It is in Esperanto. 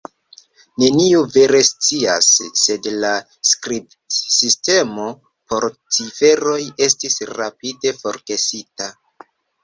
Neniu vere scias sed la skribsistemo por ciferoj estis rapide forgesita